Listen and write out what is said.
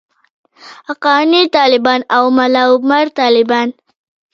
حقاني طالبان او ملاعمر طالبان.